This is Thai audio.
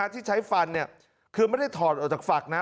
ที่ใช้ฟันคือไม่ได้ถอดออกจากฝักนะ